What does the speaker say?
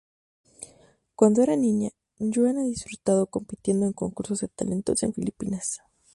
Cuando era niña, Joan ha disfrutado compitiendo en concursos de talentos en Filipinas.